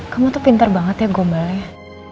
kamu tuh pintar banget ya gombalnya